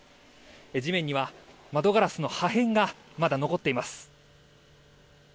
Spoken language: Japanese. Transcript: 地面には窓ガラスの破片がまだ残っています。